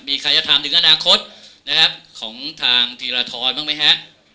มีใครจะถามถึงอนาคตนะครับของทางธีรทรบ้างไหมฮะ